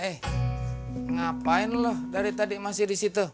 eh ngapain loh dari tadi masih di situ